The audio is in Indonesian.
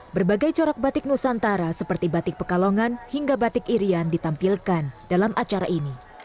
berbagai corak batik nusantara seperti batik pekalongan hingga batik irian ditampilkan dalam acara ini